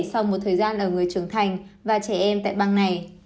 sau một thời gian ở người trưởng thành và trẻ em tại bang này